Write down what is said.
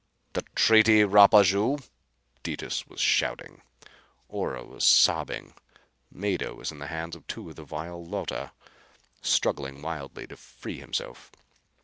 "The treaty, Rapaju!" Detis was shouting. Ora was sobbing. Mado was in the hands of two of the vile Llotta, struggling wildly to free himself.